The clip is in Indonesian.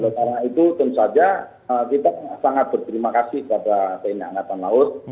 karena itu tentu saja kita sangat berterima kasih kepada tni angkatan laut